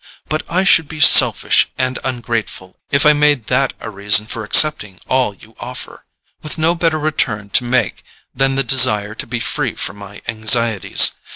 But I should be selfish and ungrateful if I made that a reason for accepting all you offer, with no better return to make than the desire to be free from my anxieties.